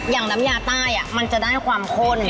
น้ำยาใต้มันจะได้ความข้น